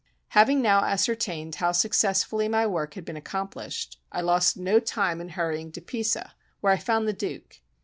Having now ascertained how successfully my work had been accomplished, I lost no time in hurrying to Pisa, where I found the Duke.